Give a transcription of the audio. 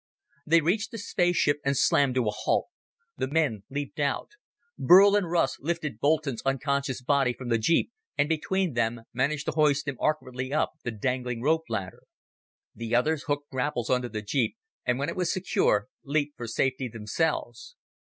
They reached the spaceship and slammed to a halt. The men leaped out. Burl and Russ lifted Boulton's unconscious body from the jeep and, between them, managed to hoist him awkwardly up the dangling rope ladder. The others hooked grapples onto the jeep, and when it was secure, leaped for safety themselves.